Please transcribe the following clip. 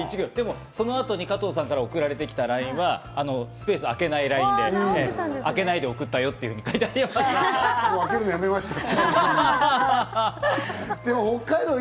その後に加藤さんから送られてきたＬＩＮＥはスペース空けないＬＩＮＥで、空けないで送ったよと書いてありました。